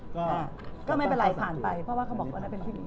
ก็ไม่เป็นไรผ่านไปเพราะว่าเขาบอกวันนั้นเป็นที่ดี